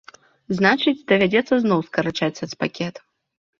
Значыць, давядзецца зноў скарачаць сацпакет.